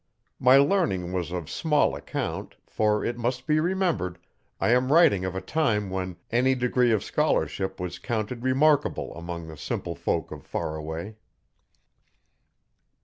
My learning was of small account, for, it must be remembered, I am writing of a time when any degree of scholarship was counted remarkable among the simple folk of Faraway.